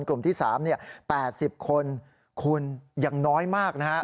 กลุ่มที่๓เนี่ย๘๐คนคุณยังน้อยมากนะฮะ